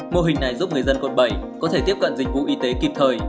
mô hình này giúp người dân quận bảy có thể tiếp cận dịch vụ y tế kịp thời